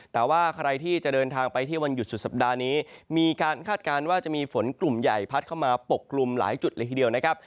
แต่ว่าใครที่จะเดินทางไปเที่ยววันหยุดสุดสัปดาห์นี้มีการคาดการณ์ว่าจะมีฝนกลุ่มใหญ่พัดเข้ามาปกกลุ่มหลายจุดเลยทีเดียวนะครับ